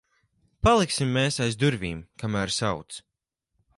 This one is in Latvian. Paliksim mēs aiz durvīm, kamēr sauc.